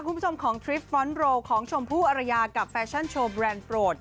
คุณผู้ชมของทริปฟรอนโรของชมพู่อรยากับแฟชั่นโชว์แบรนด์โปรด